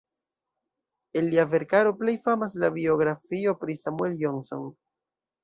El lia verkaro plej famas la biografio pri Samuel Johnson.